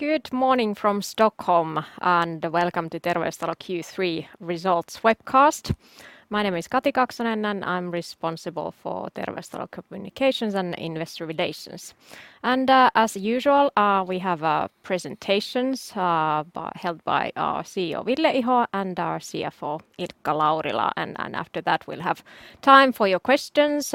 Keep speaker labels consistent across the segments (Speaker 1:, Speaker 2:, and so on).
Speaker 1: Good morning from Stockholm, welcome to Terveystalo Q3 results webcast. My name is Kati Kaksonen, and I am responsible for Terveystalo communications and investor relations. As usual, we have presentations held by our CEO, Ville Iho, and our CFO, Ilkka Laurila. After that, we will have time for your questions.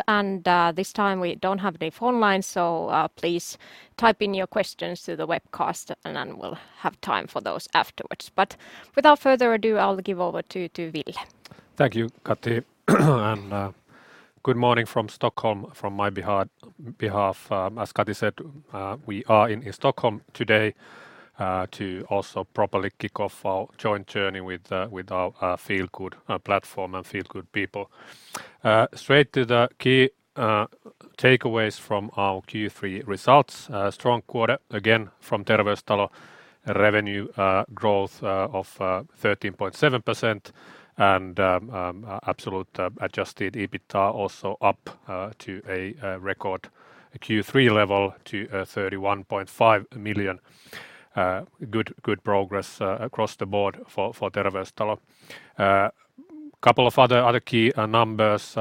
Speaker 1: This time we do not have Dave online, so please type in your questions to the webcast and then we will have time for those afterwards. Without further ado, I will give over to Ville.
Speaker 2: Thank you, Kati. Good morning from Stockholm from my behalf. As Kati said, we are in Stockholm today to also properly kick off our joint journey with our Feelgood platform and Feelgood people. Straight to the key takeaways from our Q3 results. A strong quarter again from Terveystalo, revenue growth of 13.7% and absolute adjusted EBITDA also up to a record Q3 level to 31.5 million. Good progress across the board for Terveystalo. Couple of other key numbers,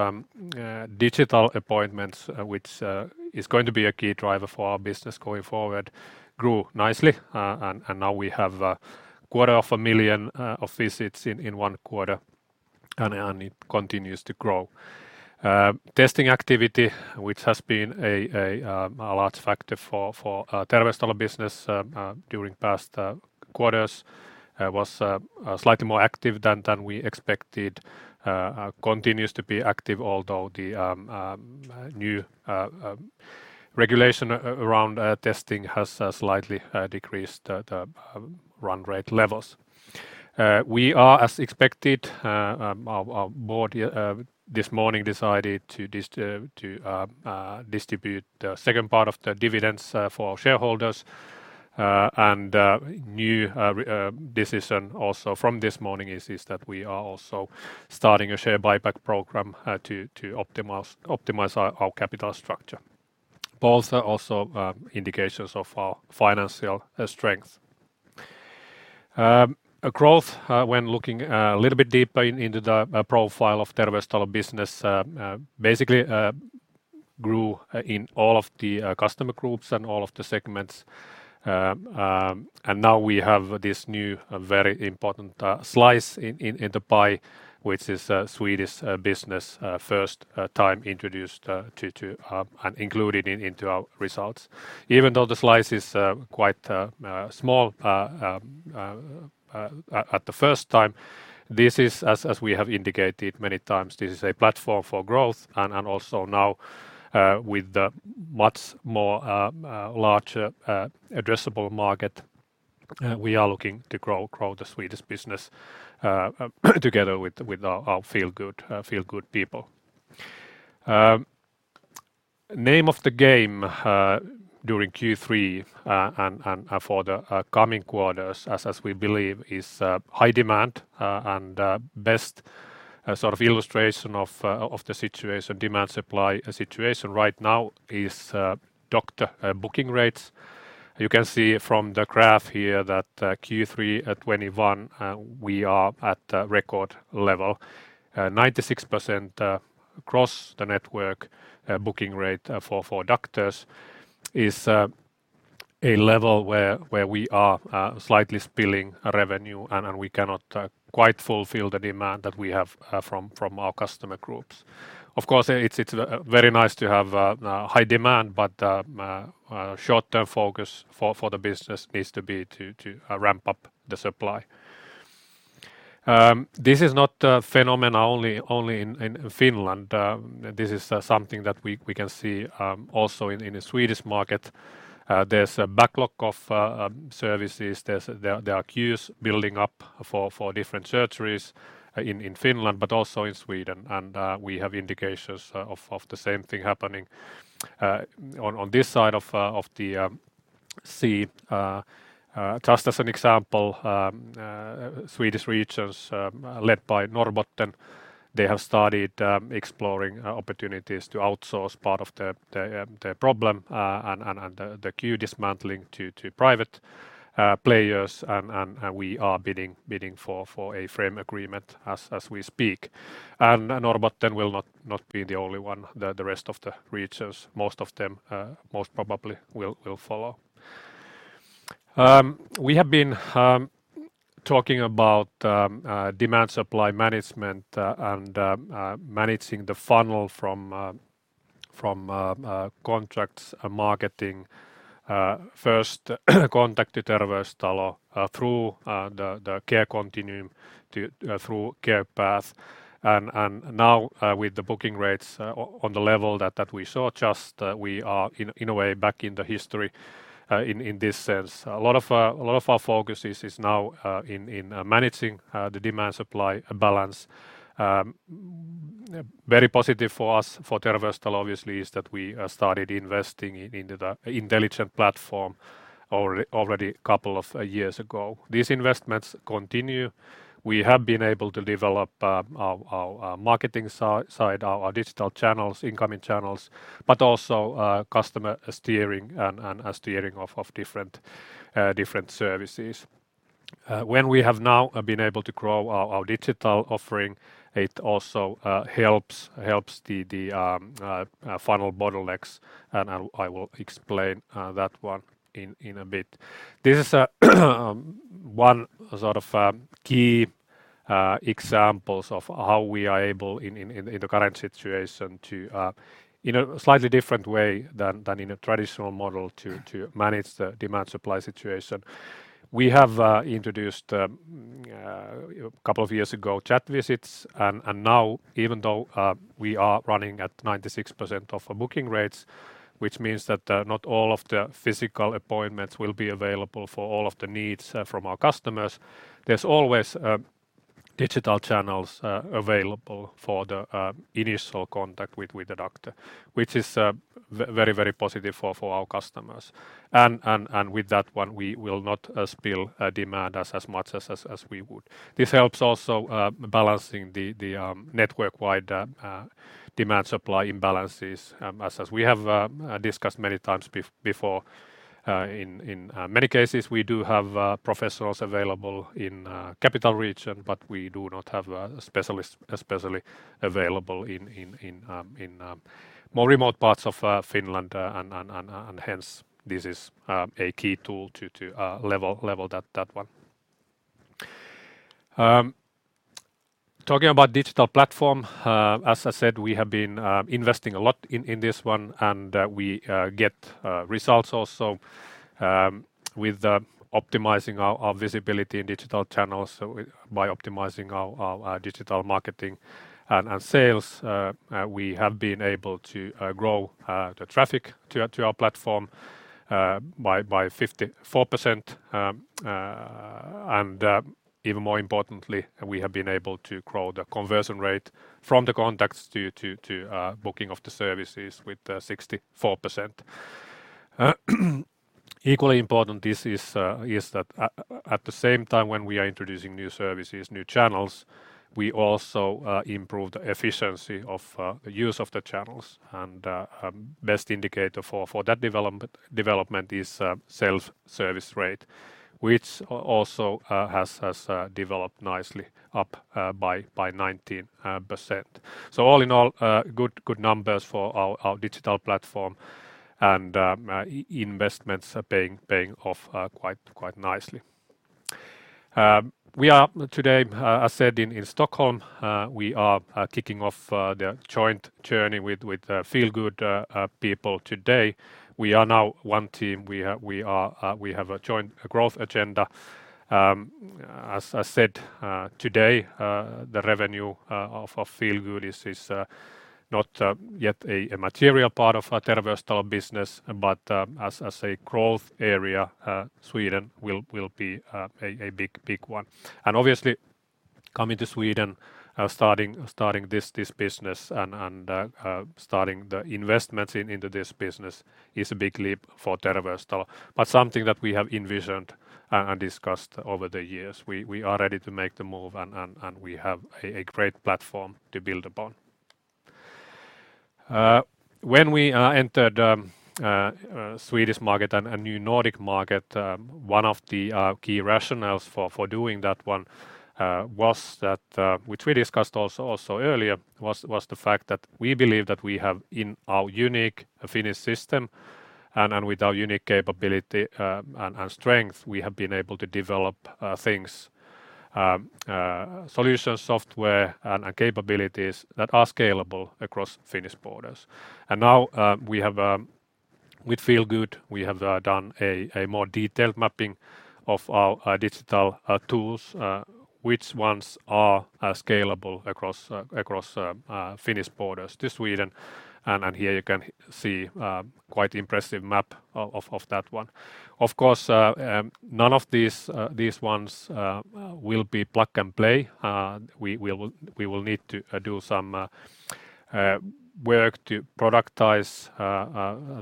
Speaker 2: digital appointments which is going to be a key driver for our business going forward, grew nicely, and now we have a quarter of a million of visits in one quarter, and it continues to grow. Testing activity, which has been a large factor for Terveystalo business during past quarters, was slightly more active than we expected. Continues to be active, although the new regulation around testing has slightly decreased the run rate levels. We are as expected, our board this morning decided to distribute the second part of the dividends for our shareholders. A new decision also from this morning is that we are also starting a share buyback program to optimize our capital structure, both are also indications of our financial strength. A growth when looking a little bit deeper into the profile of Terveystalo business basically grew in all of the customer groups and all of the segments. Now we have this new very important slice in the pie, which is a Swedish business first time introduced to and included into our results. Even though the slice is quite small at the first time, this is, as we have indicated many times, this is a platform for growth and also now with the much more larger addressable market, we are looking to grow the Swedish business together with our Feelgood people. Name of the game during Q3, and for the coming quarters as we believe is high demand, and best sort of illustration of the demand supply situation right now is doctor booking rates. You can see from the graph here that Q3 at 2021, we are at record level. 96% across the network booking rate for doctors is a level where we are slightly spilling revenue, and we cannot quite fulfill the demand that we have from our customer groups. Of course, it's very nice to have high demand, Short-term focus for the business needs to be to ramp up the supply. This is not a phenomenon only in Finland. This is something that we can see also in the Swedish market. There's a backlog of services. There are queues building up for different surgeries in Finland, but also in Sweden. We have indications of the same thing happening on this side of the sea. Just as an example, Swedish regions, led by Norrbotten, they have started exploring opportunities to outsource part of the problem, and the queue dismantling to private players, and we are bidding for a frame agreement as we speak. Norrbotten will not be the only one. The rest of the regions, most of them most probably will follow. We have been talking about demand supply management and managing the funnel from contracts and marketing, first contact to Terveystalo through the care continuum through care path. Now with the booking rates on the level that we saw just, we are in a way back in the history in this sense. A lot of our focus is now in managing the demand supply balance. Very positive for us, for Terveystalo obviously, is that we started investing into the intelligent platform already couple of years ago. These investments continue. We have been able to develop our marketing side, our digital channels, incoming channels, but also customer steering and steering of different services. When we have now been able to grow our digital offering, it also helps the funnel bottlenecks, I will explain that one in a bit. This is one sort of key examples of how we are able in the current situation to, in a slightly different way than in a traditional model, to manage the demand supply situation. We have introduced, a couple of years ago, chat visits and now even though we are running at 96% of our booking rates, which means that not all of the physical appointments will be available for all of the needs from our customers, there's always digital channels available for the initial contact with the doctor, which is very positive for our customers. With that one, we will not spill demand as much as we would. This helps also balancing the network-wide demand supply imbalances. As we have discussed many times before, in many cases, we do have professionals available in capital region, but we do not have specialists especially available in more remote parts of Finland. Hence, this is a key tool to level that one. Talking about digital platform, as I said, we have been investing a lot in this one. We get results also with optimizing our visibility in digital channels. By optimizing our digital marketing and sales, we have been able to grow the traffic to our platform by 54%. Even more importantly, we have been able to grow the conversion rate from the contacts to booking of the services with 64%. Equally important, this is that at the same time when we are introducing new services, new channels, we also improve the efficiency of use of the channels. Best indicator for that development is self-service rate, which also has developed nicely up by 19%. All in all, good numbers for our digital platform and investments are paying off quite nicely. We are today, as said, in Stockholm. We are kicking off the joint journey with Feelgood people today. We are now one team. We have a joint growth agenda. As I said today, the revenue of Feelgood is not yet a material part of Terveystalo business. As a growth area, Sweden will be a big one. Obviously, coming to Sweden, starting this business and starting the investments into this business is a big leap for Terveystalo, but something that we have envisioned and discussed over the years. We are ready to make the move, and we have a great platform to build upon. When we entered Swedish market and new Nordic market, one of the key rationales for doing that one which we discussed also earlier was the fact that we believe that we have in our unique Finnish system and with our unique capability and strength, we have been able to develop things, solution software and capabilities that are scalable across Finnish borders. Now with Feelgood, we have done a more detailed mapping of our digital tools which ones are scalable across Finnish borders to Sweden. Here you can see quite impressive map of that one. Of course, none of these ones will be plug and play. We will need to do some work to productize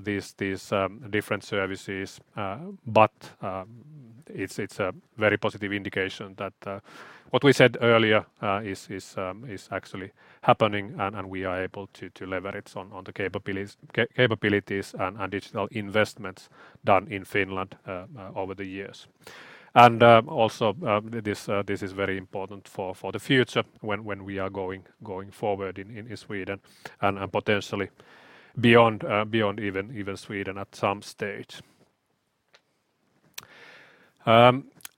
Speaker 2: these different services. It's a very positive indication that what we said earlier is actually happening and we are able to leverage on the capabilities and digital investments done in Finland over the years. Also this is very important for the future when we are going forward in Sweden and potentially beyond even Sweden at some stage.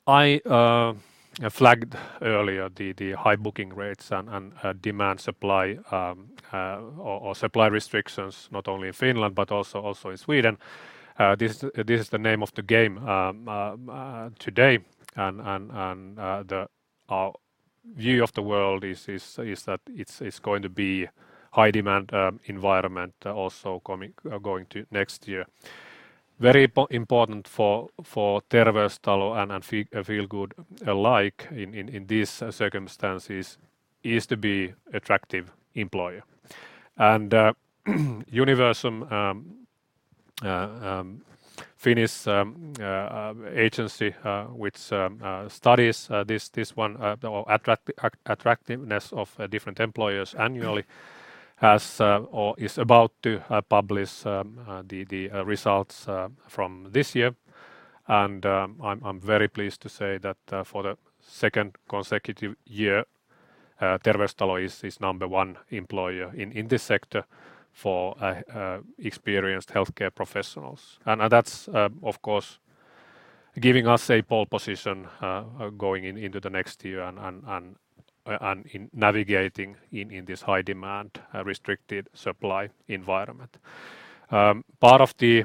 Speaker 2: I flagged earlier the high booking rates and demand supply or supply restrictions, not only in Finland but also in Sweden. This is the name of the game today. Our view of the world is that it's going to be high demand environment also going to next year. Very important for Terveystalo and Feelgood alike in these circumstances is to be attractive employer. Universum Finnish agency which studies this one attractiveness of different employers annually is about to publish the results from this year. I'm very pleased to say that for the second consecutive year, Terveystalo is number one employer in this sector for experienced healthcare professionals. That's, of course, giving us a pole position going into the next year and in navigating in this high demand, restricted supply environment. Part of the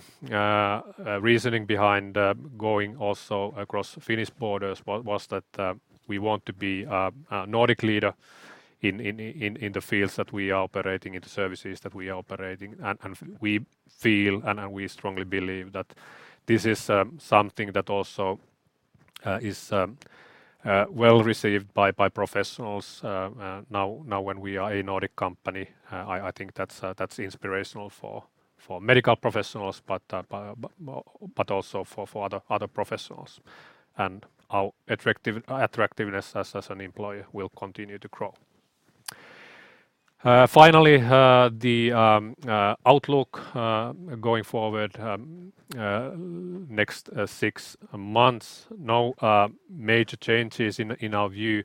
Speaker 2: reasoning behind going also across Finnish borders was that we want to be a Nordic leader in the fields that we are operating, in the services that we are operating. We feel and we strongly believe that this is something that also is well-received by professionals now when we are a Nordic company. I think that's inspirational for medical professionals, but also for other professionals. Our attractiveness as an employer will continue to grow. Finally, the outlook going forward, next six months, no major changes in our view.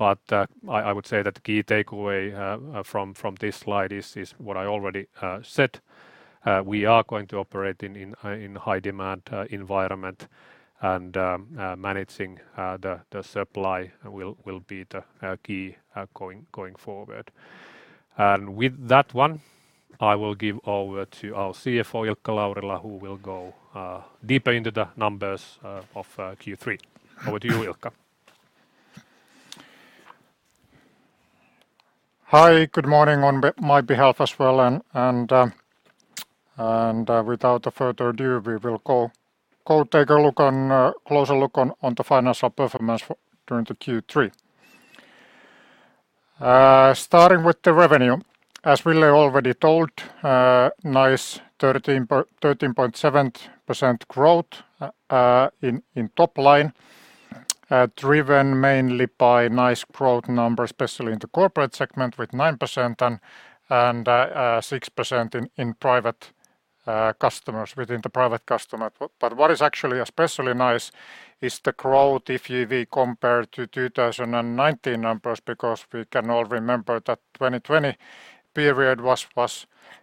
Speaker 2: I would say that the key takeaway from this slide is what I already said. We are going to operate in high demand environment and managing the supply will be the key going forward. With that one, I will give over to our CFO, Ilkka Laurila, who will go deeper into the numbers of Q3. Over to you, Ilkka.
Speaker 3: Hi, good morning on my behalf as well. Without further ado, we will go take a closer look on the financial performance during the Q3. Starting with the revenue, as Ville already told, nice 13.7% growth in top line, driven mainly by nice growth numbers, especially in the corporate segment with 9% and 6% within the private customer. What is actually especially nice is the growth if you compare to 2019 numbers, because we can all remember that 2020 period was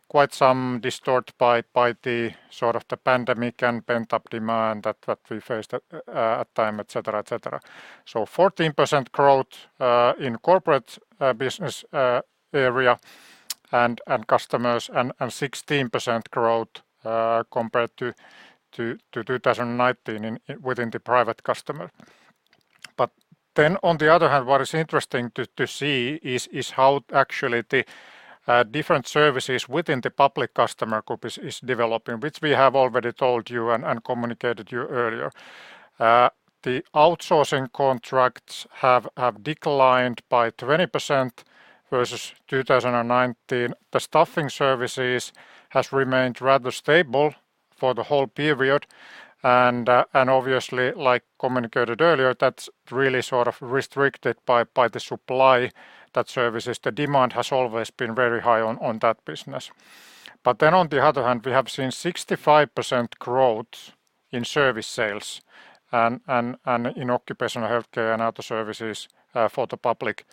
Speaker 3: quite some distort by the sort of the pandemic and pent-up demand that we faced at time, et cetera. 14% growth in corporate business area and customers, and 16% growth compared to 2019 within the private customer. On the other hand, what is interesting to see is how actually the different services within the public customer group is developing, which we have already told you and communicated you earlier. The outsourcing contracts have declined by 20% versus 2019. The staffing services has remained rather stable for the whole period and obviously, like communicated earlier, that's really sort of restricted by the supply that services. The demand has always been very high on that business. On the other hand, we have seen 65% growth in service sales and in occupational healthcare and other services for the public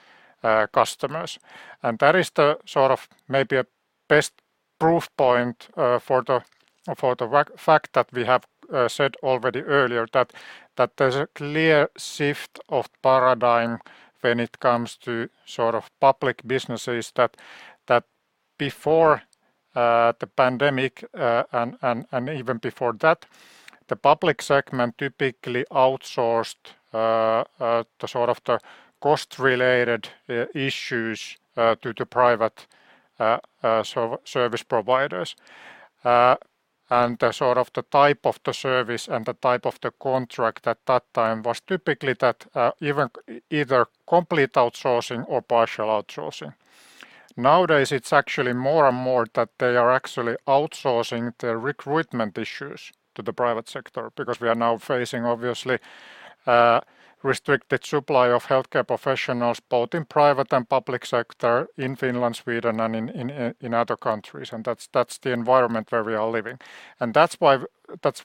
Speaker 3: customers. That is the sort of maybe a best proof point for the fact that we have said already earlier that there's a clear shift of paradigm when it comes to sort of public businesses that before the pandemic, and even before that, the public segment typically outsourced the sort of the cost related issues to the private service providers. The sort of the type of the service and the type of the contract at that time was typically that either complete outsourcing or partial outsourcing. Nowadays, it's actually more and more that they are actually outsourcing their recruitment issues to the private sector because we are now facing, obviously, restricted supply of healthcare professionals both in private and public sector in Finland, Sweden, and in other countries. That's the environment where we are living. That's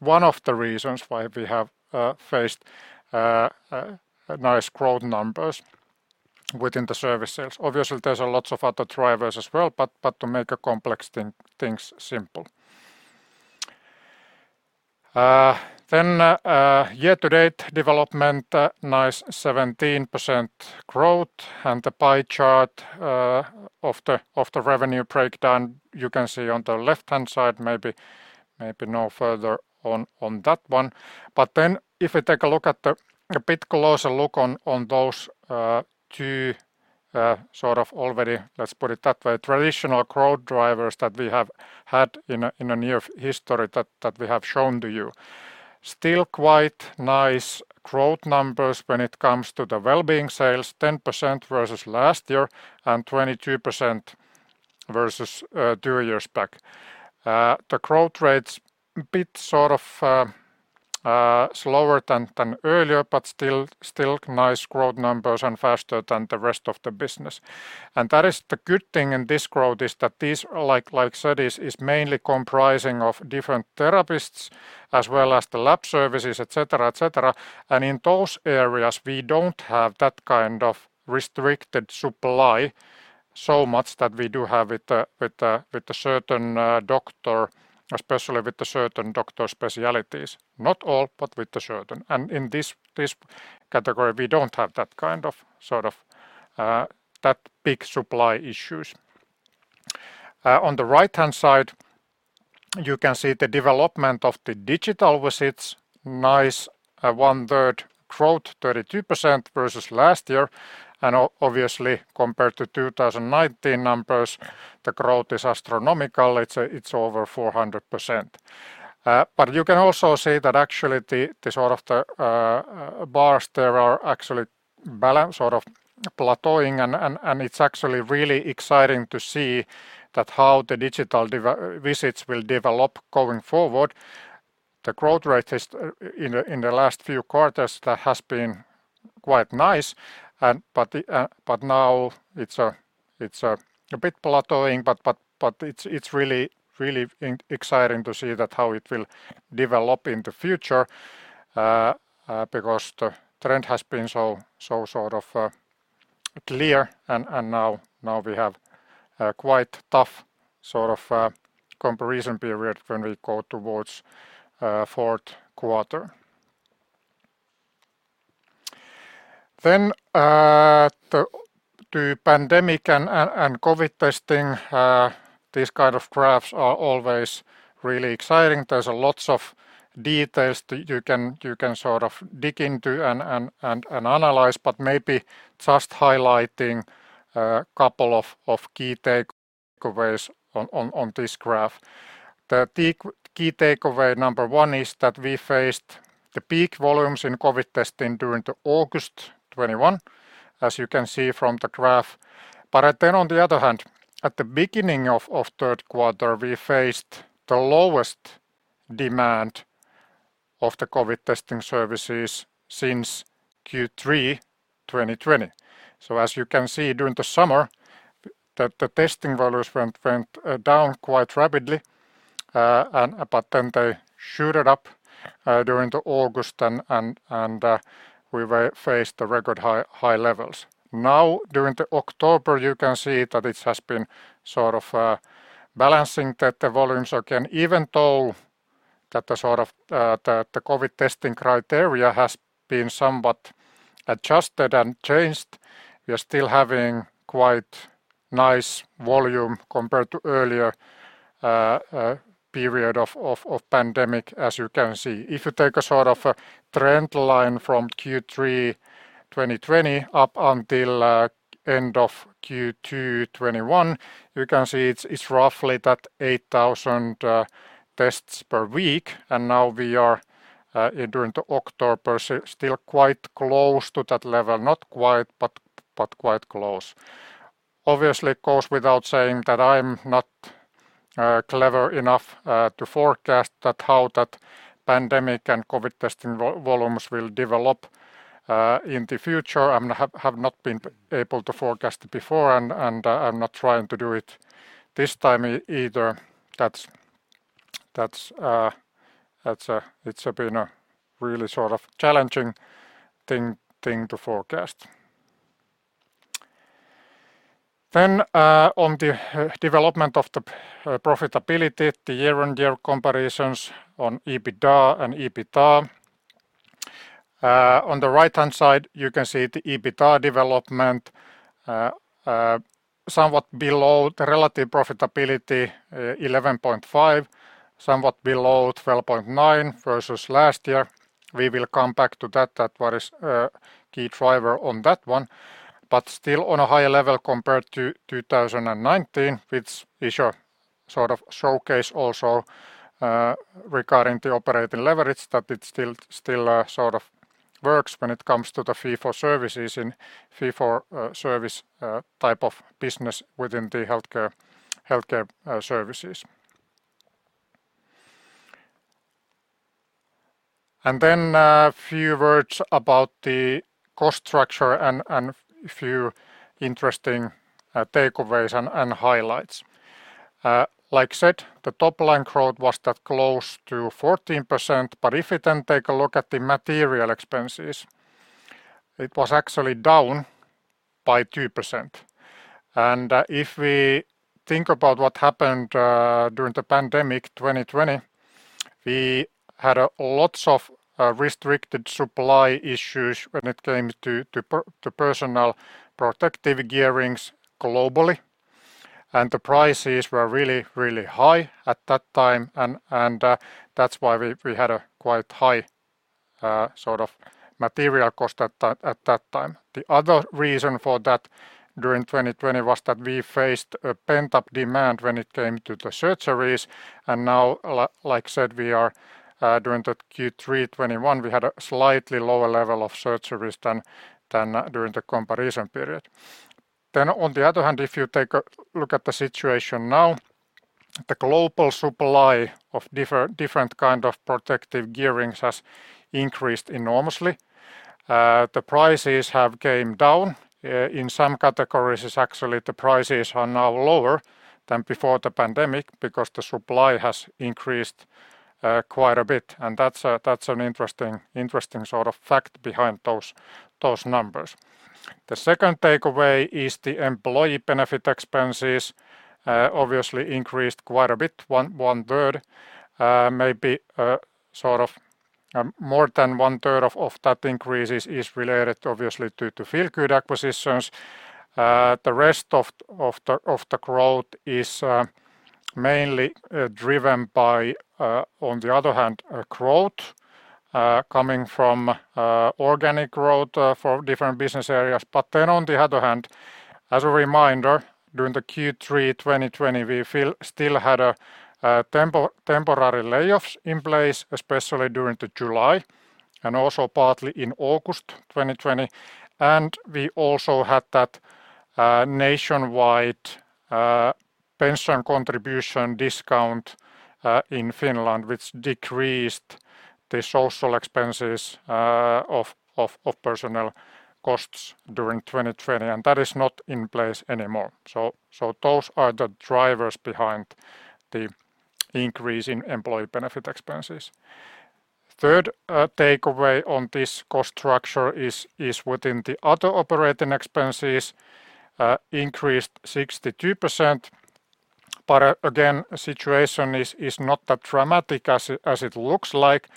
Speaker 3: one of the reasons why we have faced nice growth numbers within the service sales. Obviously, there's lots of other drivers as well, but to make complex things simple. Year to date development, nice 17% growth, the pie chart of the revenue breakdown you can see on the left-hand side, maybe no further on that one. If we take a bit closer look on those two sort of already, let's put it that way, traditional growth drivers that we have had in the near history that we have shown to you. Still quite nice growth numbers when it comes to the wellbeing sales, 10% versus last year and 22% versus two years back. The growth rates bit sort of slower than earlier, but still nice growth numbers and faster than the rest of the business. The good thing in this growth is that these, like I said, is mainly comprising of different therapists as well as the lab services, et cetera. In those areas, we don't have that kind of restricted supply so much that we do have with the certain doctor, especially with the certain doctor specialties. Not all, but with the certain. In this category, we don't have that big supply issues. On the right-hand side, you can see the development of the digital visits. Nice one-third growth, 32% versus last year, obviously compared to 2019 numbers, the growth is astronomical. It's over 400%. You can also see that actually the bars there are actually balancing sort of plateauing, and it's actually really exciting to see that how the digital visits will develop going forward. The growth rate in the last few quarters, that has been quite nice. Now it's a bit plateauing, but it's really exciting to see that how it will develop in the future because the trend has been so clear and now we have a quite tough comparison period when we go towards fourth quarter. The pandemic and COVID testing. These kind of graphs are always really exciting. There's lots of details that you can dig into and analyze, but maybe just highlighting a couple of key takeaways on this graph. The key takeaway number 1 is that we faced the peak volumes in COVID testing during the August 2021, as you can see from the graph. On the other hand, at the beginning of third quarter, we faced the lowest demand of the COVID testing services since Q3 2020. As you can see during the summer, the testing values went down quite rapidly. They shot up during the August and we faced the record high levels. Now during the October, you can see that it has been balancing the volumes again, even though the COVID testing criteria has been somewhat adjusted and changed. We are still having quite nice volume compared to earlier period of pandemic as you can see. If you take a trend line from Q3 2020 up until end of Q2 2021, you can see it's roughly that 8,000 tests per week, now we are, during the October, still quite close to that level. Not quite, but quite close. Obviously, it goes without saying that I'm not clever enough to forecast that how that pandemic and COVID testing volumes will develop in the future. I have not been able to forecast before and I'm not trying to do it this time either. It's been a really challenging thing to forecast. On the development of the profitability, the year-on-year comparisons on EBITDA and EBITA. On the right-hand side, you can see the EBITA development somewhat below the relative profitability 11.5%, somewhat below 12.9% versus last year. We will come back to that, what is key driver on that one. Still on a higher level compared to 2019, which is a sort of showcase also regarding the operating leverage that it still sort of works when it comes to the fee for services in fee-for-service type of business within the healthcare services. A few words about the cost structure and few interesting takeaways and highlights. Like I said, the top line growth was that close to 14%, but if you then take a look at the material expenses, it was actually down by 2%. If we think about what happened during the pandemic 2020, we had lots of restricted supply issues when it came to personal protective gearings globally, and the prices were really, really high at that time. That's why we had a quite high material cost at that time. The other reason for that during 2020 was that we faced a pent-up demand when it came to the surgeries. Now, like I said, during the Q3 2021, we had a slightly lower level of surgeries than during the comparison period. On the other hand, if you take a look at the situation now, the global supply of different kind of protective gearings has increased enormously. The prices have come down. In some categories, actually the prices are now lower than before the pandemic because the supply has increased quite a bit, that's an interesting sort of fact behind those numbers. The second takeaway is the employee benefit expenses obviously increased quite a bit, one third, maybe more than one third of that increase is related obviously to Feelgood acquisitions. The rest of the growth is mainly driven by, on the other hand, growth coming from organic growth for different business areas. On the other hand, as a reminder, during the Q3 2020, we still had temporary layoffs in place, especially during the July and also partly in August 2020. We also had that nationwide pension contribution discount in Finland, which decreased the social expenses of personnel costs during 2020. That is not in place anymore. Those are the drivers behind the increase in employee benefit expenses. Third takeaway on this cost structure is within the other operating expenses, increased 62%. Again, situation is not that dramatic as it looks like.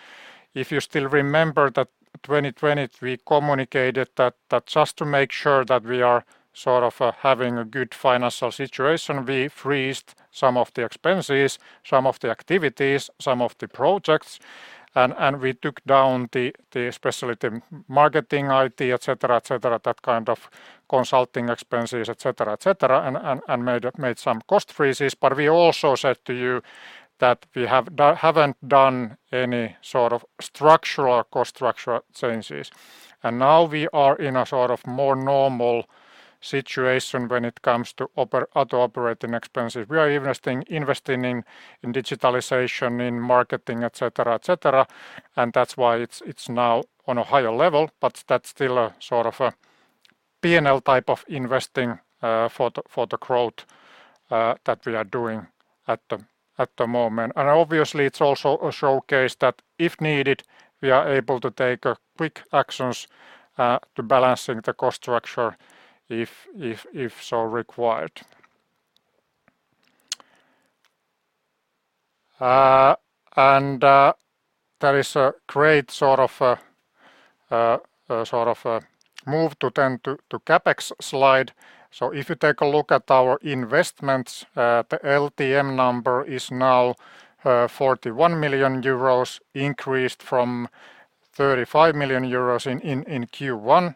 Speaker 3: If you still remember that 2020 we communicated that just to make sure that we are sort of having a good financial situation, we froze some of the expenses, some of the activities, some of the projects, we took down especially the marketing IT, et cetera. That kind of consulting expenses, et cetera, made some cost freezes. We also said to you that we haven't done any sort of structural cost structure changes. Now we are in a sort of more normal situation when it comes to other operating expenses. We are investing in digitalization, in marketing, et cetera. That's why it's now on a higher level, but that's still a sort of a P&L type of investing for the growth that we are doing at the moment. Obviously it's also a showcase that if needed, we are able to take quick actions to balancing the cost structure if so required. There is a great sort of a move to then to CapEx slide. If you take a look at our investments, the LTM number is now 41 million euros, increased from 35 million euros in Q1.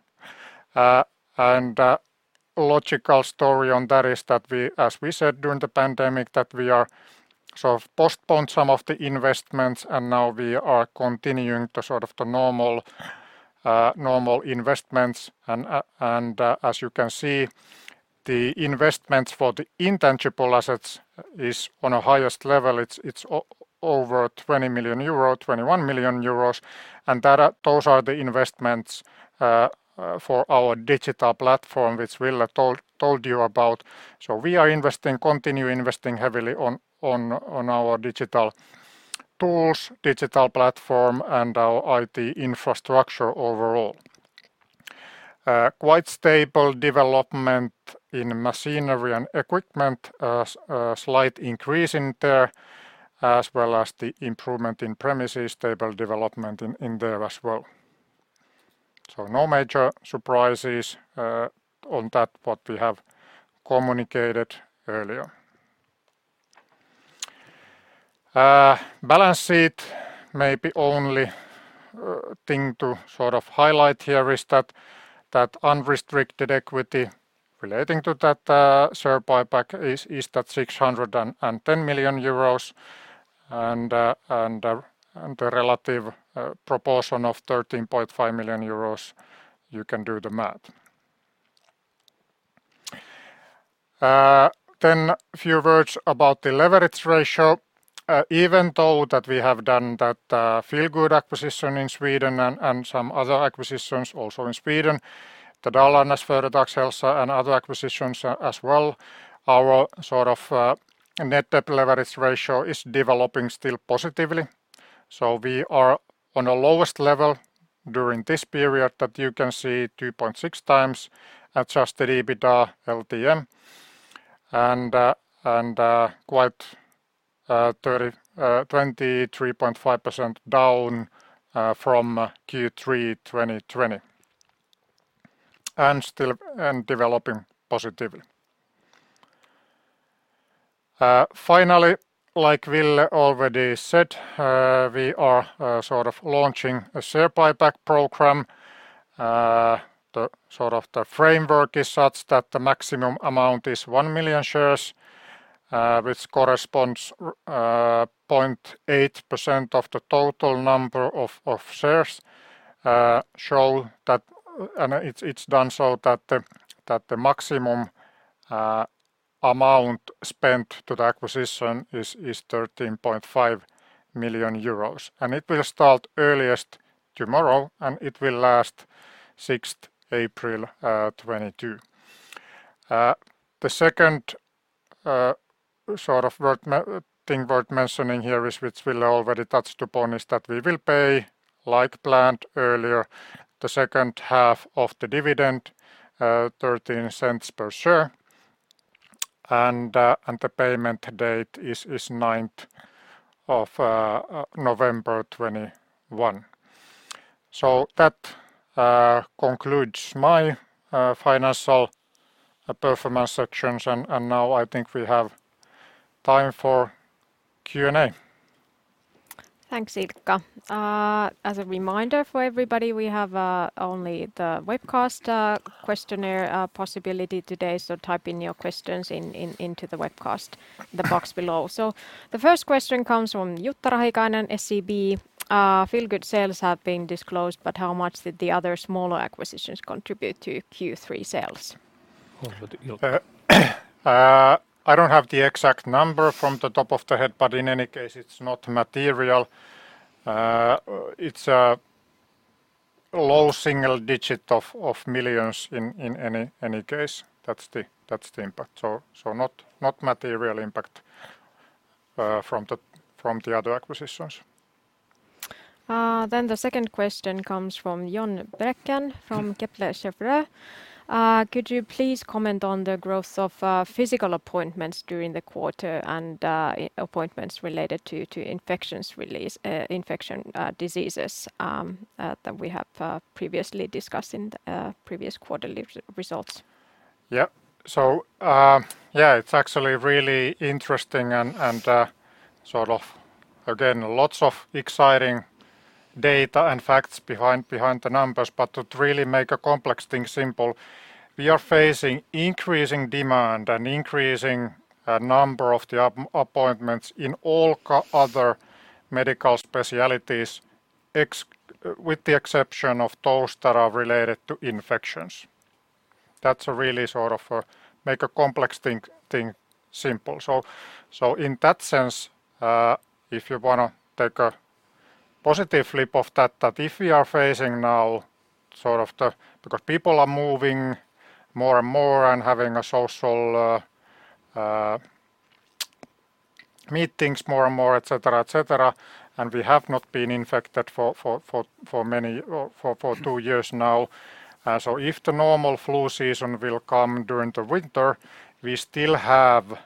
Speaker 3: Logical story on that is that as we said during the pandemic, that we are sort of postponed some of the investments and now we are continuing the sort of the normal investments. As you can see, the investments for the intangible assets is on a highest level. It's over 20 million euro, 21 million euros. Those are the investments for our digital platform, which Ville told you about. We are investing, continue investing heavily on our digital tools, digital platform, and our IT infrastructure overall. Quite stable development in machinery and equipment. A slight increase in there, as well as the improvement in premises, stable development in there as well. No major surprises on that what we have communicated earlier. Balance sheet, maybe only thing to sort of highlight here is that unrestricted equity relating to that share buyback is at 610 million euros and the relative proportion of 13.5 million euros, you can do the math. A few words about the leverage ratio. Even though that we have done that Feelgood acquisition in Sweden and some other acquisitions also in Sweden, the Dalarnas Försäkringsbolag and other acquisitions as well, our sort of net debt leverage ratio is developing still positively. We are on the lowest level during this period that you can see 2.6 times adjusted EBITDA LTM and quite 23.5% down from Q3 2020 and still developing positively. Finally, like Ville already said, we are sort of launching a share buyback program. The sort of the framework is such that the maximum amount is 1 million shares, which corresponds 0.8% of the total number of shares. It's done so that the maximum amount spent to the acquisition is 13.5 million euros, it will start earliest tomorrow, it will last 6th April 2022. The second thing worth mentioning here, which Ville already touched upon, is that we will pay, like planned earlier, the second half of the dividend, 0.13 per share. The payment date is 9th of November 2021. That concludes my financial performance sections, now I think we have time for Q&A.
Speaker 1: Thanks, Ilkka. As a reminder for everybody, we have only the webcast questionnaire possibility today, so type in your questions into the webcast, the box below. The first question comes from Jutta Rahikainen, SEB. Feelgood sales have been disclosed, but how much did the other smaller acquisitions contribute to Q3 sales?
Speaker 3: I don't have the exact number from the top of the head, but in any case, it's not material. It's a low single digit of millions in any case. That's the impact. Not material impact from the other acquisitions.
Speaker 1: The second question comes from John Brecken from Kepler Cheuvreux. Could you please comment on the growth of physical appointments during the quarter and appointments related to infection diseases that we have previously discussed in the previous quarterly results?
Speaker 3: Yeah. It's actually really interesting and again, lots of exciting data and facts behind the numbers. To really make a complex thing simple, we are facing increasing demand and increasing number of the appointments in all other medical specialties, with the exception of those that are related to infections. That's really sort of make a complex thing simple. In that sense, if you want to take a positive flip of that if we are facing now sort of the Because people are moving more and more and having social meetings more and more, et cetera. And we have not been infected for two years now. If the normal flu season will come during the winter, we still have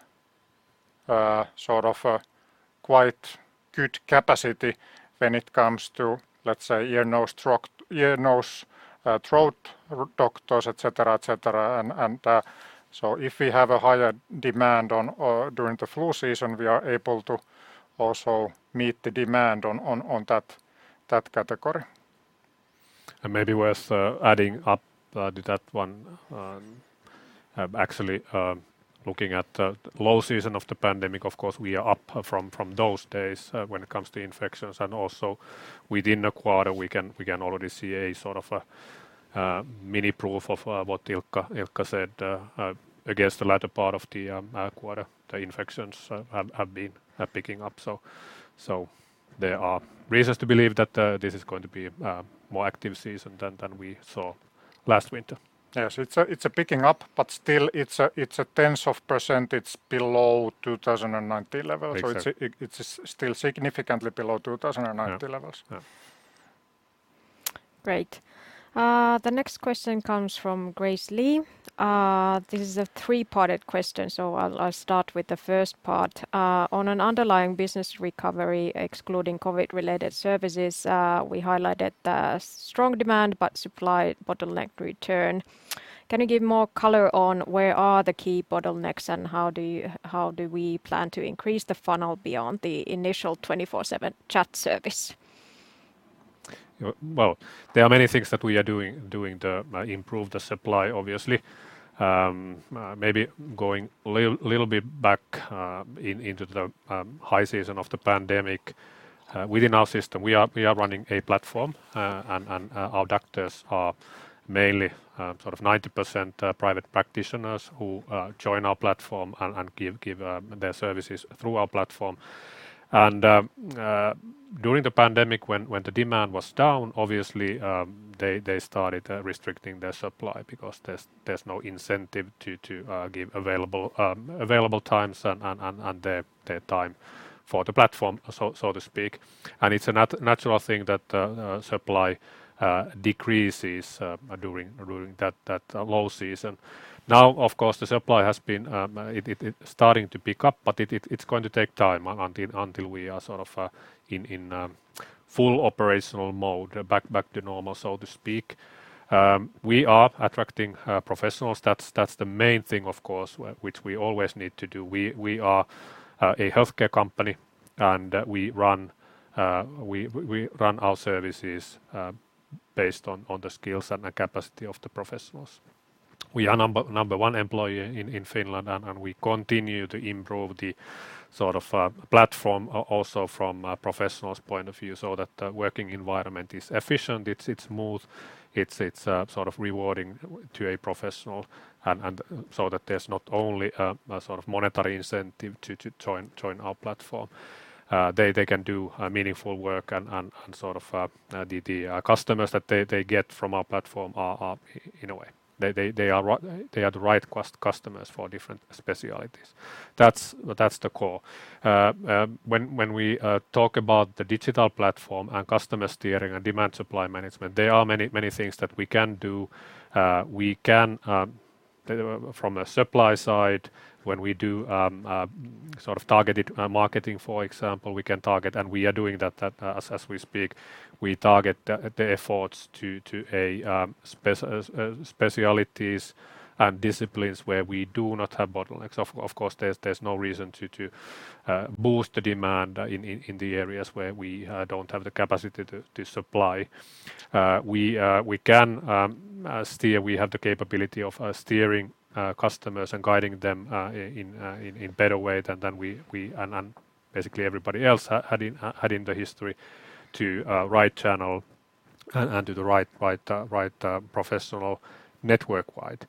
Speaker 3: quite good capacity when it comes to, let's say, ear, nose, throat doctors, et cetera. If we have a higher demand during the flu season, we are able to also meet the demand on that category.
Speaker 2: Maybe worth adding up to that one. Actually looking at the low season of the pandemic, of course, we are up from those days when it comes to infections. Also within the quarter, we can already see a sort of a mini proof of what Ilkka said against the latter part of the quarter, the infections have been picking up. There are reasons to believe that this is going to be a more active season than we saw last winter.
Speaker 3: Yes. It's picking up, but still it's a tens of percentage below 2019 levels.
Speaker 2: Exactly.
Speaker 3: It is still significantly below 2019 levels.
Speaker 2: Yeah.
Speaker 1: Great. The next question comes from Grace Lee. This is a three-parted question, so I'll start with the first part. On an underlying business recovery, excluding COVID-related services, we highlighted the strong demand, but supply bottleneck return. Can you give more color on where are the key bottlenecks and how do we plan to increase the funnel beyond the initial 24/7 chat service?
Speaker 2: Well, there are many things that we are doing to improve the supply, obviously. Maybe going little bit back into the high season of the pandemic within our system, we are running a platform and our doctors are mainly 90% private practitioners who join our platform and give their services through our platform. During the pandemic, when the demand was down, obviously they started restricting their supply because there's no incentive to give available times and their time for the platform, so to speak. It's a natural thing that supply decreases during that low season. Now, of course, the supply has been starting to pick up, but it's going to take time until we are sort of in full operational mode, back to normal, so to speak. We are attracting professionals. That's the main thing, of course, which we always need to do. We are a healthcare company. We run our services based on the skills and the capacity of the professionals. We are number one employer in Finland. We continue to improve the platform also from a professional's point of view, so that the working environment is efficient, it's smooth, it's rewarding to a professional, so that there's not only a monetary incentive to join our platform. They can do meaningful work, and the customers that they get from our platform are, in a way, the right customers for different specialties. That's the core. When we talk about the digital platform and customer steering and demand supply management, there are many things that we can do. From a supply side, when we do targeted marketing, for example, we can target, and we are doing that as we speak. We target the efforts to specialties and disciplines where we do not have bottlenecks. Of course, there's no reason to boost the demand in the areas where we don't have the capacity to supply. We have the capability of steering customers and guiding them in better way than we, and basically everybody else had in the history, to right channel and to the right professional network wide.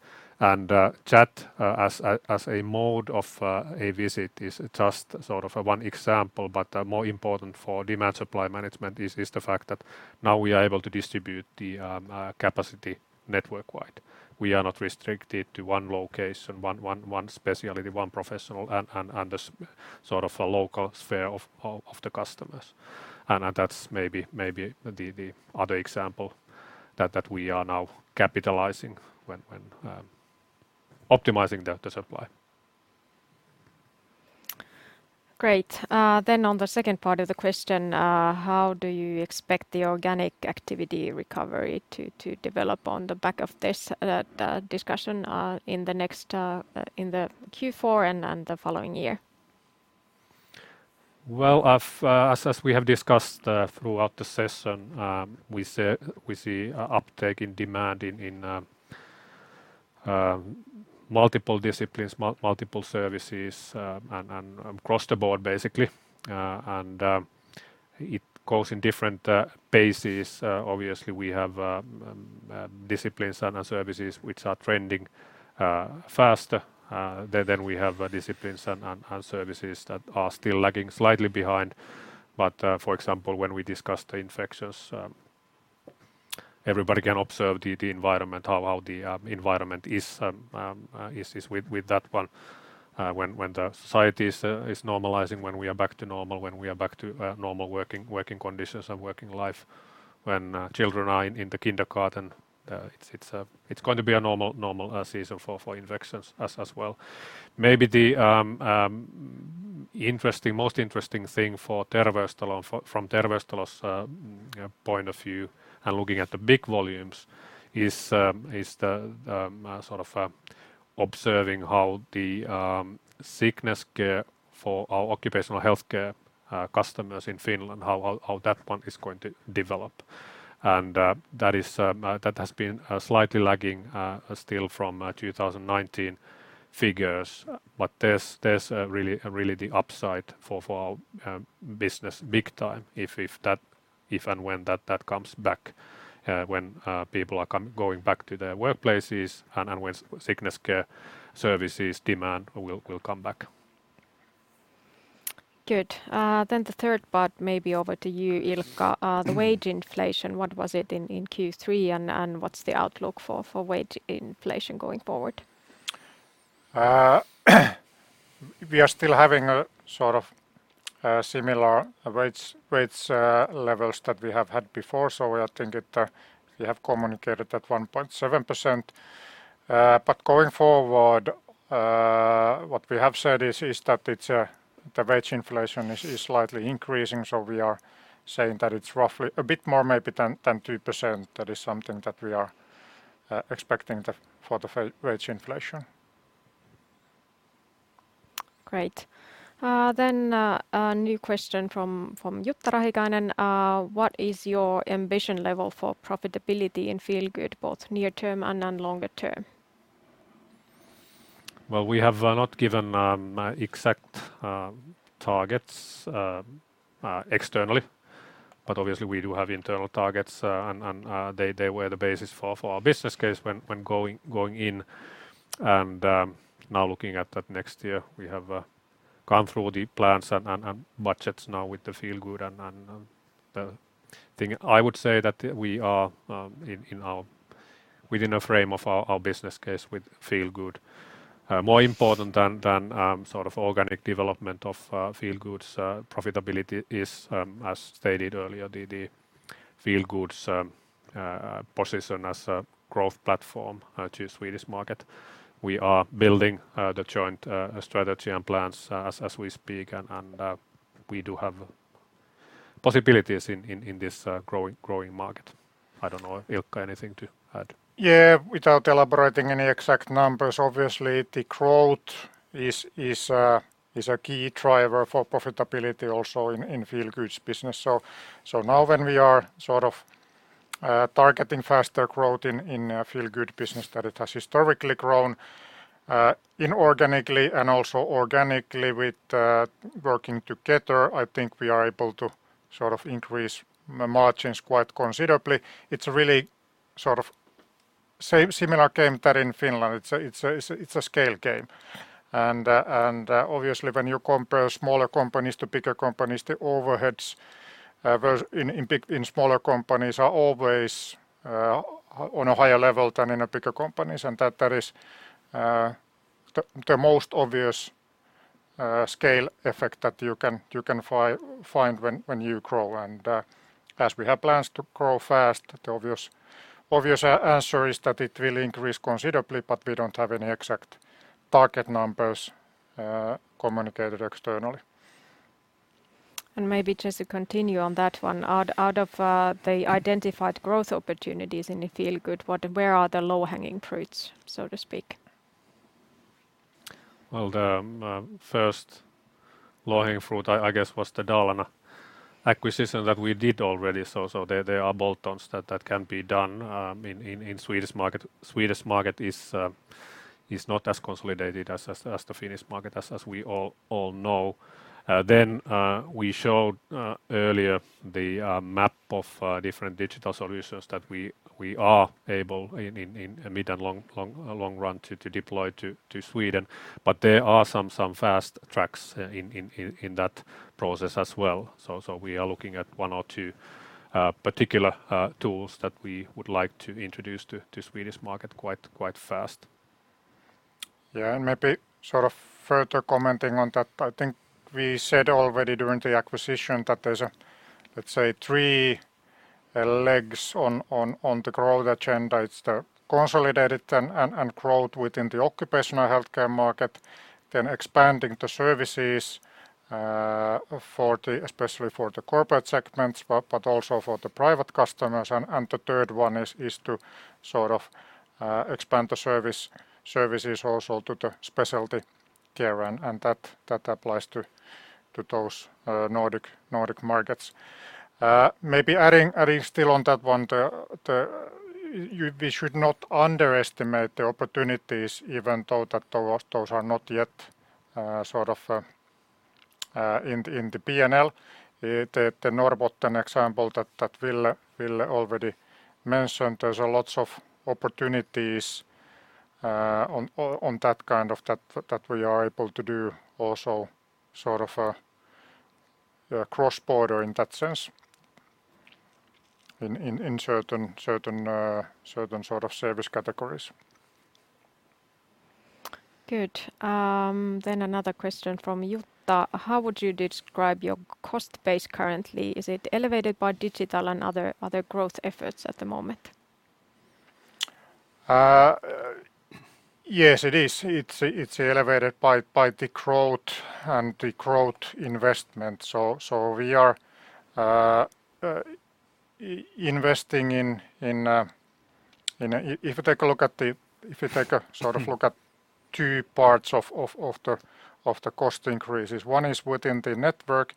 Speaker 2: Chat as a mode of a visit is just one example, but more important for demand supply management is the fact that now we are able to distribute the capacity network wide. We are not restricted to one location, one specialty, one professional, and the local sphere of the customers. That's maybe the other example that we are now capitalizing when optimizing the supply.
Speaker 1: Great. On the second part of the question, how do you expect the organic activity recovery to develop on the back of this, the discussion, in Q4 and the following year?
Speaker 2: Well, as we have discussed throughout the session, we see uptake in demand in multiple disciplines, multiple services, and across the board, basically. It goes in different paces. Obviously, we have disciplines and services which are trending faster than we have disciplines and services that are still lagging slightly behind. For example, when we discussed the infections, everybody can observe how the environment is with that one. When the society is normalizing, when we are back to normal, when we are back to normal working conditions and working life, when children are in the kindergarten, it's going to be a normal season for infections as well. Maybe the most interesting thing from Terveystalo's point of view and looking at the big volumes is observing how the sickness care for our occupational healthcare customers in Finland, how that one is going to develop. That has been slightly lagging still from 2019 figures, there's really the upside for our business big time if and when that comes back, when people are going back to their workplaces and when sickness care services demand will come back.
Speaker 1: Good. The third part, maybe over to you, Ilkka. The wage inflation, what was it in Q3, and what's the outlook for wage inflation going forward?
Speaker 3: We are still having similar wage levels that we have had before. I think we have communicated at 1.7%. Going forward, what we have said is that the wage inflation is slightly increasing. We are saying that it's roughly a bit more maybe than 2%. That is something that we are expecting for the wage inflation.
Speaker 1: Great. A new question from Jutta Rahikainen. What is your ambition level for profitability in Feelgood, both near term and longer term?
Speaker 2: Well, we have not given exact targets externally, but obviously we do have internal targets, and they were the basis for our business case when going in. Now looking at that next year, we have gone through the plans and budgets now with the Feelgood. The thing I would say that we are within a frame of our business case with Feelgood. More important than organic development of Feelgood's profitability is, as stated earlier, the Feelgood's position as a growth platform to Swedish market. We are building the joint strategy and plans as we speak, and we do have possibilities in this growing market. I don't know, Ilkka, anything to add?
Speaker 3: Yeah, without elaborating any exact numbers, obviously the growth is a key driver for profitability also in Feelgood's business. Now when we are sort of Targeting faster growth in Feelgood business that it has historically grown inorganically and also organically with working together, I think we are able to increase the margins quite considerably. It's a really similar game that in Finland. It's a scale game. Obviously when you compare smaller companies to bigger companies, the overheads in smaller companies are always on a higher level than in a bigger companies, and that is the most obvious scale effect that you can find when you grow. As we have plans to grow fast, the obvious answer is that it will increase considerably, but we don't have any exact target numbers communicated externally.
Speaker 1: Maybe just to continue on that one, out of the identified growth opportunities in Feelgood, where are the low-hanging fruits, so to speak?
Speaker 2: The first low-hanging fruit, I guess, was the Dalarna acquisition that we did already. There are bolt-ons that can be done in Swedish market. Swedish market is not as consolidated as the Finnish market, as we all know. We showed earlier the map of different digital solutions that we are able, in mid and long run, to deploy to Sweden. There are some fast tracks in that process as well. We are looking at one or two particular tools that we would like to introduce to Swedish market quite fast.
Speaker 3: Maybe further commenting on that, I think we said already during the acquisition that there's, let's say, three legs on the growth agenda. It's the consolidated and growth within the occupational healthcare market. Expanding the services, especially for the corporate segments but also for the private customers. The third one is to sort of expand the services also to the specialty care, and that applies to those Nordic markets. Maybe adding still on that one, we should not underestimate the opportunities, even though that those are not yet in the P&L. The Norrbotten example that Ville already mentioned, there's lots of opportunities on that kind of that we are able to do also sort of a cross-border in that sense in certain sort of service categories.
Speaker 1: Another question from Jutta: How would you describe your cost base currently? Is it elevated by digital and other growth efforts at the moment?
Speaker 3: Yes, it is. It's elevated by the growth and the growth investment. We are investing in two parts of the cost increases, one is within the network.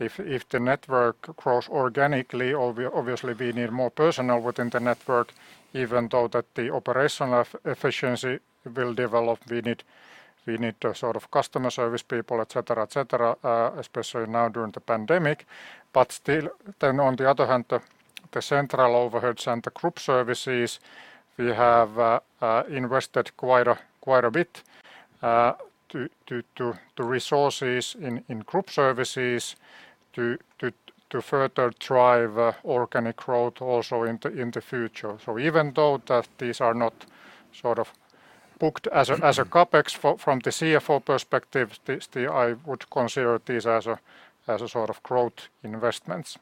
Speaker 3: If the network grows organically, obviously we need more personnel within the network, even though that the operational efficiency will develop. We need the sort of customer service people, et cetera, et cetera, especially now during the pandemic. Still, on the other hand, the central overheads and the group services, we have invested quite a bit to resources in group services to further drive organic growth also in the future. Even though that these are not booked as a CapEx from the CFO perspective, I would consider this as a sort of growth investments.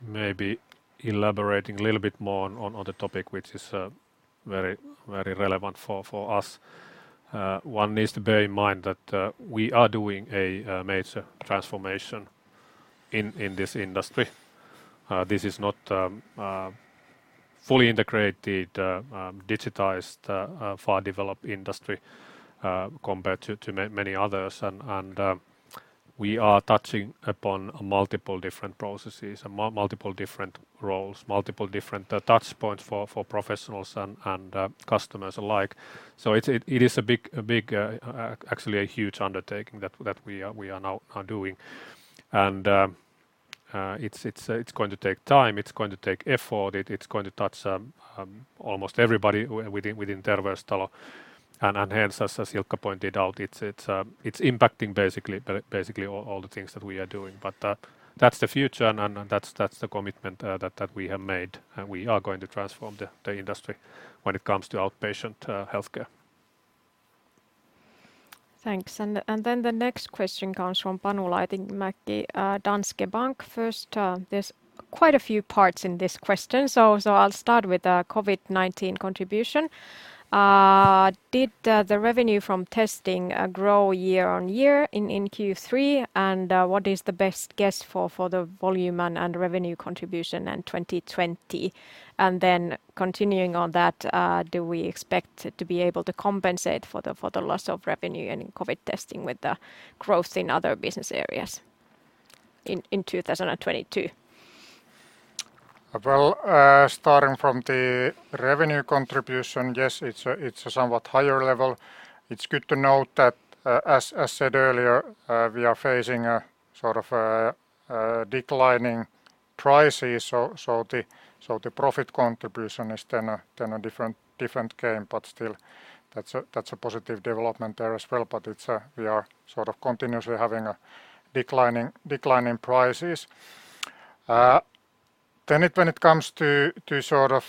Speaker 2: Maybe elaborating a little bit more on the topic, which is very relevant for us. One needs to bear in mind that we are doing a major transformation in this industry. This is not fully integrated, digitized, far developed industry compared to many others, and we are touching upon multiple different processes and multiple different roles, multiple different touch points for professionals and customers alike. It is a big, actually a huge undertaking that we are now doing. It's going to take time. It's going to take effort. It's going to touch almost everybody within Terveystalo. Hence, as Jutta pointed out, it's impacting basically all the things that we are doing. That's the future and that's the commitment that we have made, and we are going to transform the industry when it comes to outpatient healthcare.
Speaker 1: Thanks. The next question comes from Panu Laitinen-Mäkki, Danske Bank. First, there's quite a few parts in this question, I'll start with COVID-19 contribution. Did the revenue from testing grow year-on-year in Q3? What is the best guess for the volume and revenue contribution in 2020? Continuing on that, do we expect to be able to compensate for the loss of revenue and COVID testing with the growth in other business areas in 2022?
Speaker 3: Starting from the revenue contribution, yes, it's a somewhat higher level. It's good to note that, as said earlier, we are facing a sort of declining prices. The profit contribution is then a different game, still, that's a positive development there as well. We are sort of continuously having a decline in prices. When it comes to sort of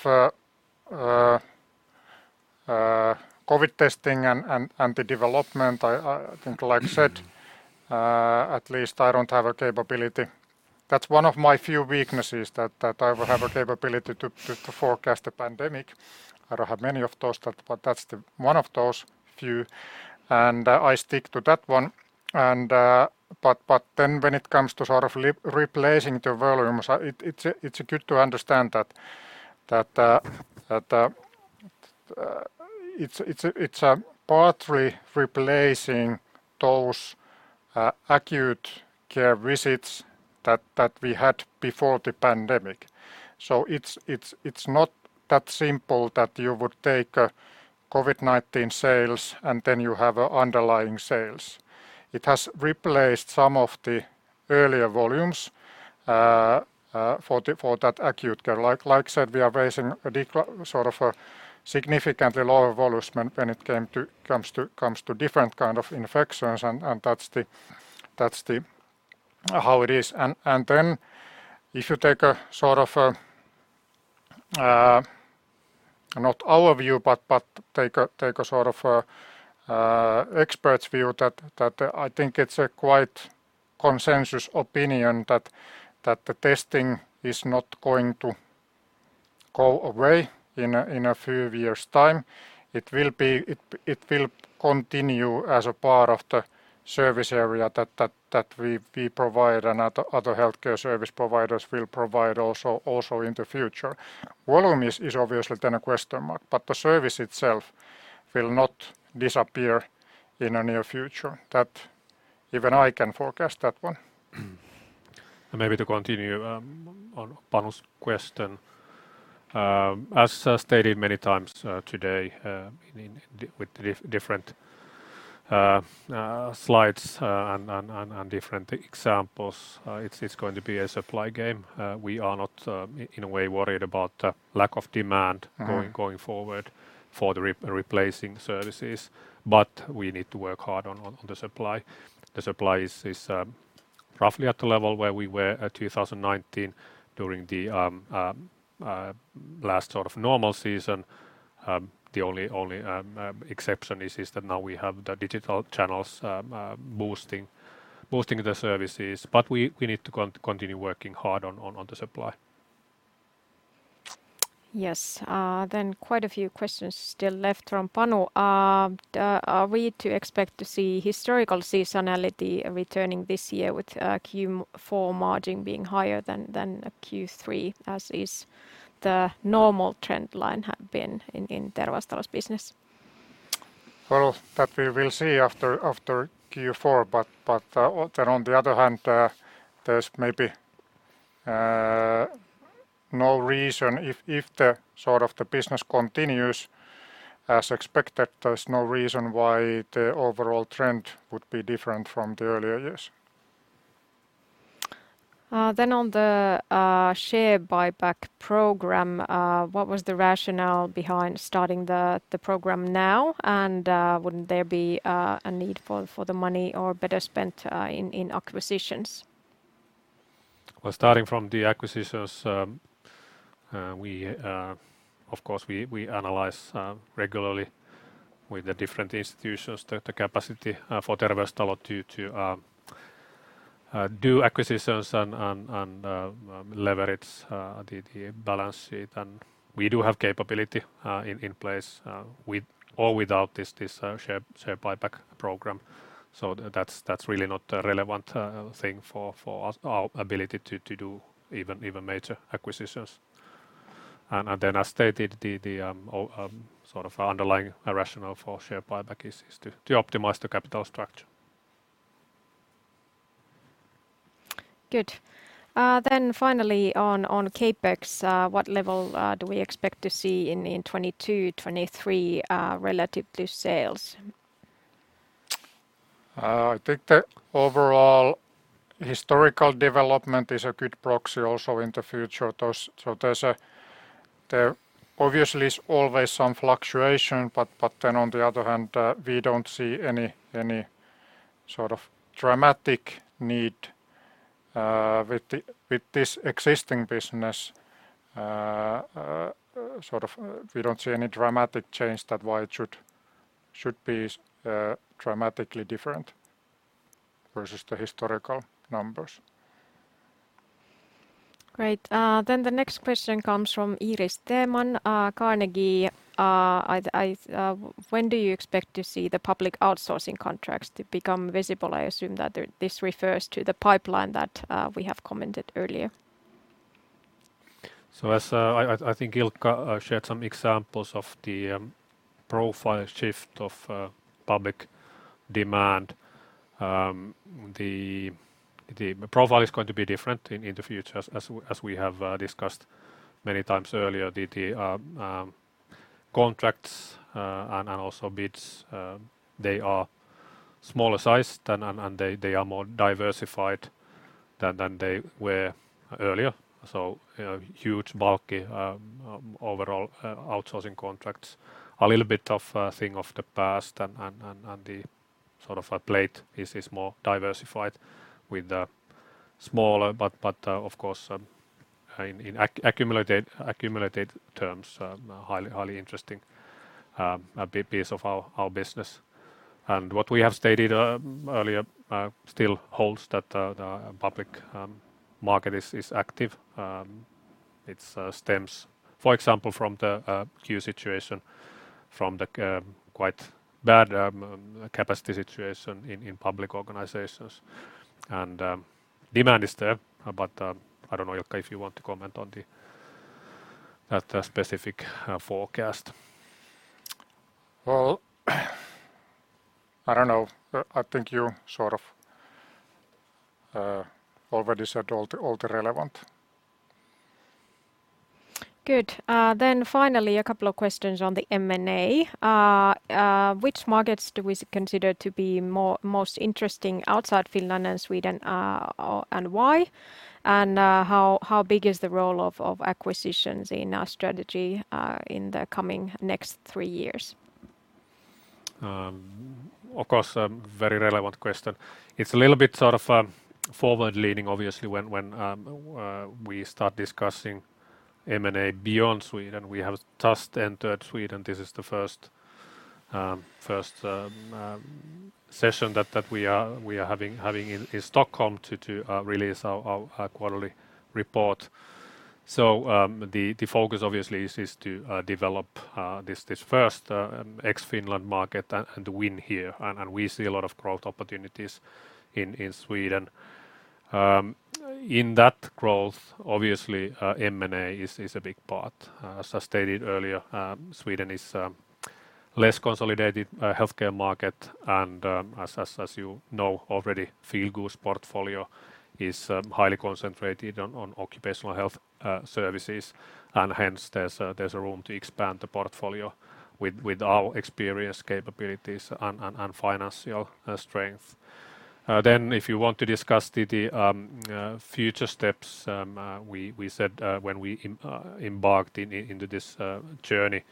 Speaker 3: COVID testing and the development, I think like I said, at least I don't have a capability. That's one of my few weaknesses, that I have a capability to forecast a pandemic. I don't have many of those, that's one of those few, and I stick to that one. When it comes to sort of replacing the volumes, it's good to understand that it's partly replacing those acute care visits that we had before the pandemic. It's not that simple that you would take COVID-19 sales and then you have underlying sales. It has replaced some of the earlier volumes for that acute care. Like I said, we are facing a sort of a significantly lower volumes when it comes to different kind of infections, and that's how it is. If you take a sort of, not our view, but take a sort of experts' view, I think it's a quite consensus opinion that the testing is not going to go away in a few years' time. It will continue as a part of the service area that we provide and other healthcare service providers will provide also in the future. Volume is obviously a question mark, but the service itself will not disappear in the near future. That even I can forecast that one.
Speaker 2: Maybe to continue on Panu's question. As stated many times today with different slides and different examples, it's going to be a supply game. We are not in a way worried about the lack of demand going forward for the replacing services, but we need to work hard on the supply. The supply is roughly at the level where we were at 2019 during the last sort of normal season. The only exception is that now we have the digital channels boosting the services. We need to continue working hard on the supply.
Speaker 1: Yes. Quite a few questions still left from Panu. Are we to expect to see historical seasonality returning this year with Q4 margin being higher than Q3, as is the normal trend line have been in Terveystalo's business?
Speaker 3: Well, that we will see after Q4, on the other hand, there's maybe no reason if the sort of the business continues as expected, there's no reason why the overall trend would be different from the earlier years.
Speaker 1: On the share buyback program, what was the rationale behind starting the program now? Wouldn't there be a need for the money or better spent in acquisitions?
Speaker 2: Well, starting from the acquisitions, of course, we analyze regularly with the different institutions the capacity for Terveystalo to do acquisitions and leverage the balance sheet. We do have capability in place, with or without this share buyback program. That's really not a relevant thing for our ability to do even major acquisitions. Then as stated, the sort of underlying rationale for share buyback is to optimize the capital structure.
Speaker 1: Good. Finally on CapEx, what level do we expect to see in 2022, 2023 relative to sales?
Speaker 3: I think the overall historical development is a good proxy also in the future. There obviously is always some fluctuation, but then on the other hand, we don't see any sort of dramatic need with this existing business. We don't see any dramatic change that why it should be dramatically different versus the historical numbers.
Speaker 1: Great. The next question comes from Iiris Theman, Carnegie. When do you expect to see the public outsourcing contracts to become visible? I assume that this refers to the pipeline that we have commented earlier.
Speaker 2: As I think Ilkka shared some examples of the profile shift of public demand. The profile is going to be different in the future, as we have discussed many times earlier. The contracts and also bids are smaller sized and they are more diversified than they were earlier. Huge bulky overall outsourcing contracts are a little bit of a thing of the past, and the plate is more diversified with smaller, but of course in accumulated terms, highly interesting piece of our business. What we have stated earlier still holds that the public market is active. It stems, for example, from the queue situation, from the quite bad capacity situation in public organizations. Demand is there, but I don't know, Ilkka, if you want to comment on that specific forecast.
Speaker 3: I don't know. I think you sort of already said all the relevant.
Speaker 1: Good. Finally, a couple of questions on the M&A. Which markets do we consider to be most interesting outside Finland and Sweden, and why? How big is the role of acquisitions in our strategy in the coming next three years?
Speaker 2: Of course, a very relevant question. It's a little bit sort of forward leading, obviously, when we start discussing M&A beyond Sweden. We have just entered Sweden. This is the first session that we are having in Stockholm to release our quarterly report. The focus obviously is to develop this first ex-Finland market and win here, and we see a lot of growth opportunities in Sweden. In that growth, obviously M&A is a big part. As stated earlier, Sweden is a less consolidated healthcare market and, as you know already, Feelgood's portfolio is highly concentrated on occupational health services and hence there's a room to expand the portfolio with our experience, capabilities, and financial strength. If you want to discuss the future steps, we said when we embarked into this journey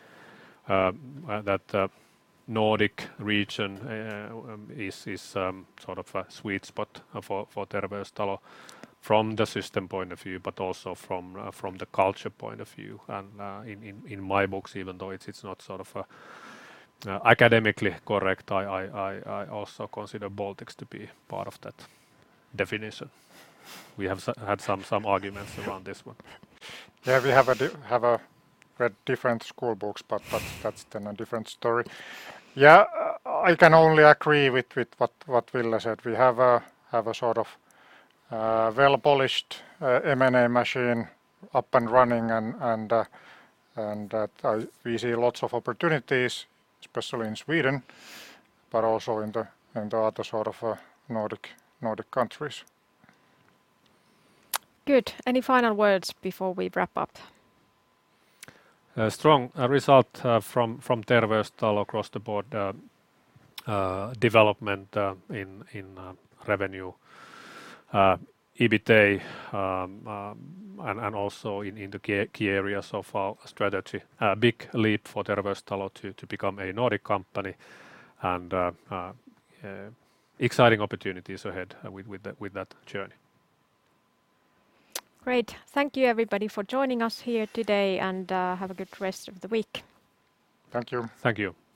Speaker 2: that Nordic region is sort of a sweet spot for Terveystalo from the system point of view, but also from the culture point of view. In my books, even though it's not sort of academically correct, I also consider Baltics to be part of that definition. We have had some arguments around this one.
Speaker 3: Yeah, we have read different school books, but that's then a different story. Yeah, I can only agree with what Ville said. We have a sort of well-polished M&A machine up and running, and we see lots of opportunities, especially in Sweden, but also in the other sort of Nordic countries.
Speaker 1: Good. Any final words before we wrap up?
Speaker 2: A strong result from Terveystalo across the board development in revenue, EBITA, and also in the key areas of our strategy. A big leap for Terveystalo to become a Nordic company and exciting opportunities ahead with that journey.
Speaker 1: Great. Thank you everybody for joining us here today and have a good rest of the week.
Speaker 3: Thank you.
Speaker 2: Thank you.